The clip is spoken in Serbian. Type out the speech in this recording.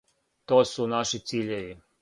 То су наши циљеви.